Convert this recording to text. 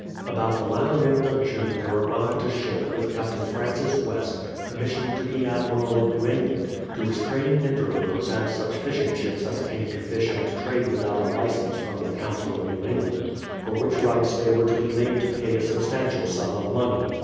About the latter end of June there arrived a ship, with Captain Francis West, commissioned to be Admiral of New England, to restrain interlopers and such fishing ships as came to fish and trade without a license from the Council of Nev/ England, for which rights they were to be made to pay a substantial sum of money.